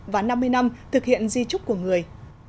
và năm mươi năm thực hiện di trúc của người